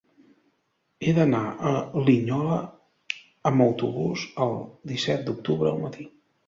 He d'anar a Linyola amb autobús el disset d'octubre al matí.